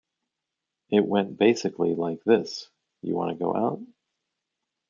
It went basically like this: 'You wanna go out?